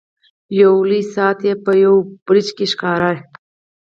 یو لوی ساعت یې په یوه برج کې ښکاري.